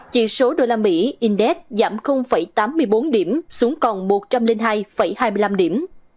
chỉ số usd index giảm tám mươi bốn điểm xuống còn một trăm linh hai hai mươi năm điểm